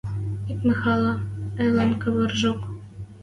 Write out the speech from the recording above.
Ик Михӓлӓ ылын кавыржок.